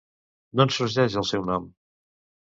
D'on sorgeix el seu nom?